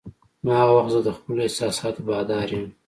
نو هغه وخت زه د خپلو احساساتو بادار یم.